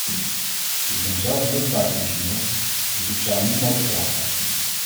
Ik ben zelf luchtvaartingenieur, dus ik zou niet mogen klagen.